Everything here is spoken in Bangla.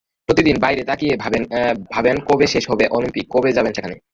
প্রতিদিন বাইরে তাকিয়ে ভাবেন কবে শেষ হবে অলিম্পিক, কবে যাবেন সেখানে।